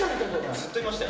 ずっといましたよ